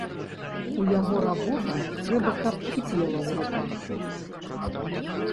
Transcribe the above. У яго работа трэба каб кіпела ў руках.